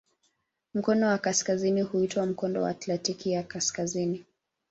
Mkono wa kaskazini huitwa "Mkondo wa Atlantiki ya Kaskazini".